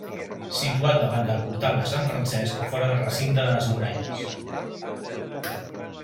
Situat davant del portal de sant Francesc fora del recinte de les muralles.